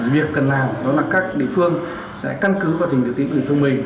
việc cần làm đó là các địa phương sẽ căn cứ vào tỉnh địa phương mình